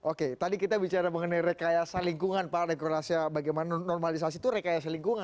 oke tadi kita bicara mengenai rekayasa lingkungan pak dekorasi bagaimana normalisasi itu rekayasa lingkungan